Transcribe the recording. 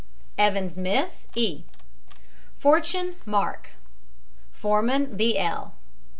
EVANS, MISS E. FORTUNE, MARK. FOREMAN, B. L.